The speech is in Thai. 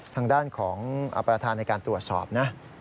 ทางด้านของประธานในการตรวจสอบนะ